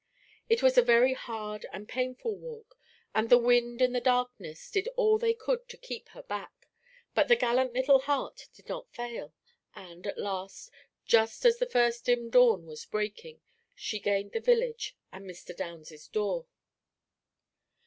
It was a very hard and painful walk, and the wind and the darkness did all they could to keep her back; but the gallant little heart did not fail, and, at last, just as the first dim dawn was breaking, she gained the village and Mr. Downs's door.